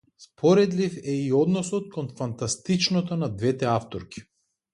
Споредлив е и односот кон фантастичното на двете авторки.